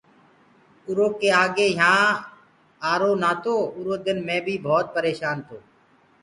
ايٚرو ڪي آگي يهآنٚ آرو نآتو آُرو دن مي ڀوتَ پريشآن تو